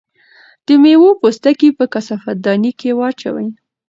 د مېوو پوستکي په کثافاتدانۍ کې واچوئ.